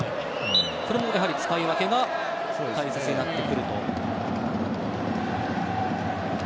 これもやはり使い分けが大切になってくると。